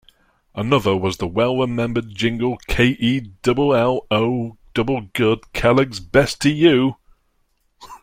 Another was the well-remembered jingle K E double-L, O double-good, Kellogg's best to you!